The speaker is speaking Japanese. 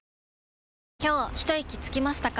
今日ひといきつきましたか？